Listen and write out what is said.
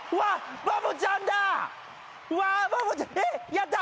やった。